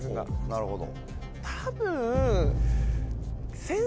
なるほど。